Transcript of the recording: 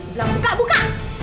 belum buka buka